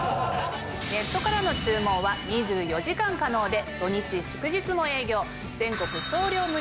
ネットからの注文は２４時間可能で土日祝日も営業。